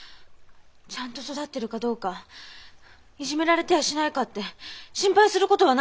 ちゃんと育ってるかどうかいじめられてやしないかって心配する事はないの？